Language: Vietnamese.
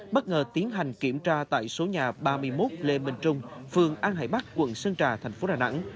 bất ngờ tiến hành kiểm tra tại số nhà ba mươi một lê minh trung phường an hải bắc quận sơn trà thành phố đà nẵng